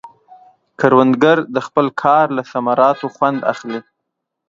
کروندګر د خپل کار له ثمراتو خوند اخلي